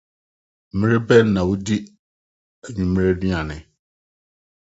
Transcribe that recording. Bere bɛn na wudi anwummere aduan?